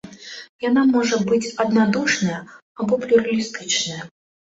Яна можа быць аднадушная або плюралістычная.